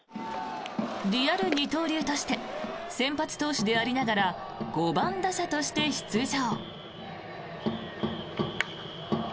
リアル二刀流として先発投手でありながら５番打者として出場。